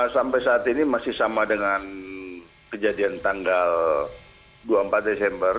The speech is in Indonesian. sampai saat ini masih sama dengan kejadian tanggal dua puluh empat desember